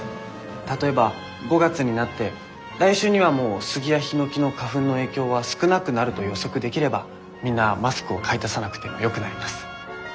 例えば５月になって来週にはもうスギやヒノキの花粉の影響は少なくなると予測できればみんなマスクを買い足さなくてもよくなります。